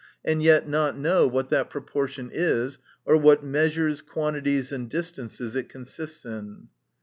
and yet not know what that proportion ts, or what measures, quantities, and distances it consists in.